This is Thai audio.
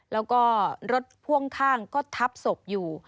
แล้วก็รถพ่วงข้างก็ทับศพอยู่